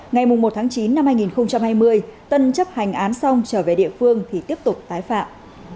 ngày một tháng chín năm hai nghìn hai mươi tân chấp hành án xong trở về địa phương thì tiếp tục tái phạm